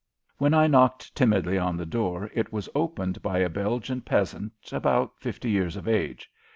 When I knocked timidly on the door it was opened by a Belgian peasant, about fifty years of age.